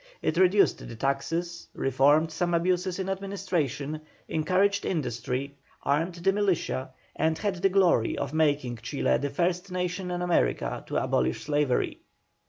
It reduced the taxes, reformed some abuses in administration, encouraged industry, armed the militia, and had the glory of making Chile the first nation in America to abolish slavery.